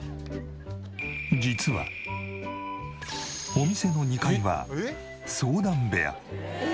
お店の２階は相談部屋。